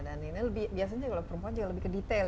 dan ini biasanya kalau perempuan juga lebih ke detail